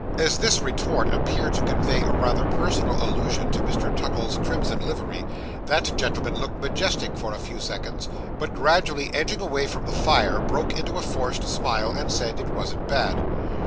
As this retort appeared to convey rather a personal allusion to Mr. Tuckle's crimson livery, that gentleman looked majestic for a few seconds, but gradually edging away from the fire, broke into a forced smile, and said it wasn't bad.